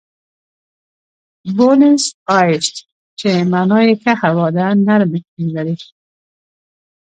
بونیس ایرس چې مانا یې ښه هوا ده، نرم اقلیم لري.